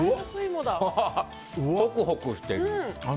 ホクホクして。